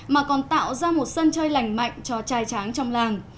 mà còn tạo ra một sân chơi lành mạnh cho trai tráng trong làng